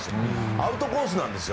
アウトコースなんですよ